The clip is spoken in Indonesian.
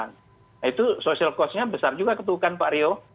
nah itu social cost nya besar juga ketukan pak rio